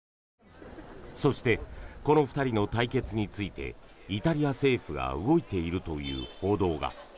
そして、この２人の対決についてイタリア政府が動いているという報道が。